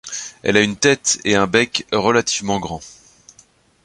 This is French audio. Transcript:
Elle a une tête et un bec relativement grands.